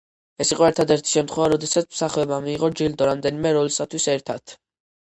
ეს იყო ერთადერთი შემთხვევა, როდესაც მსახიობმა მიიღო ჯილდო რამდენიმე როლისათვის ერთად.